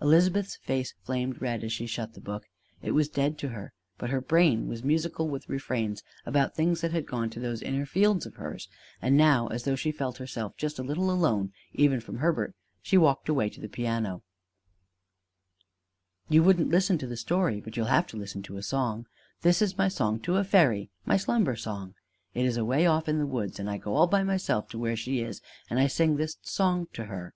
Elizabeth's face flamed red as she shut the book. It was dead to her; but her brain was musical with refrains about things that had gone to those inner Fields of hers; and now as though she felt herself just a little alone even from Herbert she walked away to the piano: "You wouldn't listen to the story, but you'll have to listen to a song! This is my song to a Fairy my slumber song! It is away off in the woods, and I go all by myself to where she is, and I sing this song to her."